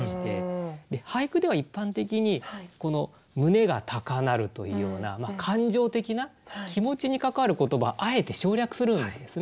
俳句では一般的に胸が高鳴るというような感情的な気持ちに関わる言葉はあえて省略するんですね。